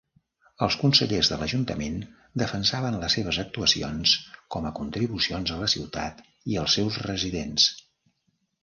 Els consellers de l'ajuntament defensaven les seves actuacions com a contribucions a la ciutat i als seus residents.